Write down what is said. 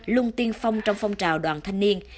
luôn tiên phong trong phong trào đoàn thanh niên